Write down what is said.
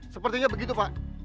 sepertinya begitu pak